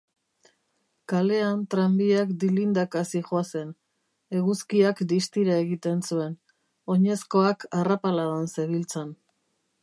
Kalean tranbiak dilindaka zihoazen, eguzkiak distira egiten zuen, oinezkoak arrapaladan zebiltzan.